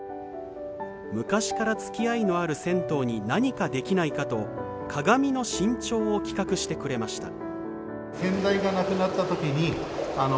昔からつきあいのある銭湯に何かできないかと鏡の新調を企画してくれました。